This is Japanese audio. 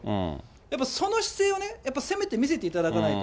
やっぱりその姿勢をね、せめて見せていただかないと。